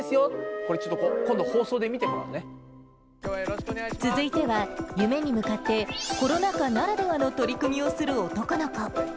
これちょっと、続いては、夢に向かって、コロナ禍ならではの取り組みをする男の子。